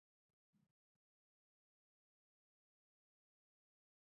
هماغه و چې پېسې مې بېرته تا ته درکړې.